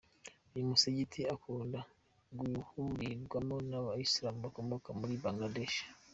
Uyu musigiti ukunda guhurirwamo n’aba-Islam bakomoka muri Bangladesh.